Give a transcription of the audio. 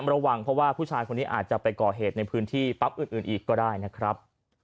ระวังเพราะว่าผู้ชายคนนี้อาจจะไปก่อเหตุในพื้นที่ปั๊บอื่นอีกก็ได้นะครับ